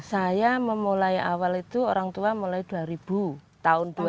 saya memulai awal itu orang tua mulai dua ribu tahun dua ribu